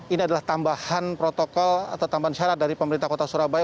ini adalah tambahan protokol atau tambahan syarat dari pemerintah kota surabaya